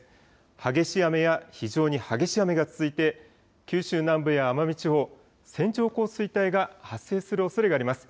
激しい雨や非常に激しい雨が続いて九州南部や奄美地方、線状降水帯が発生するおそれがあります。